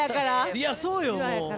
いやそうよもう。